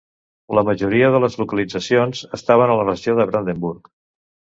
La majoria de les localitzacions estaven a la regió de Brandenburg.